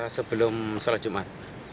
sebelum sholat jumat